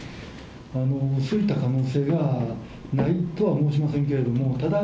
そういった可能性がないとは申しませんけれども、ただ、